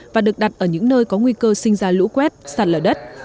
và được đặt ở những nơi có nguy cơ sinh ra lũ quét sạt lở đất